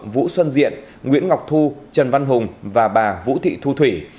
vũ xuân diện nguyễn ngọc thu trần văn hùng và bà vũ thị thu thủy